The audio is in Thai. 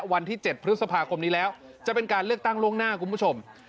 วันที่๗พฤษภาคมนี้แล้วจะเป็นการเลือกตั้งล่วงหน้าคุณผู้ชม